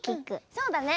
そうだね。